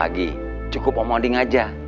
apa lagi cukup om odin aja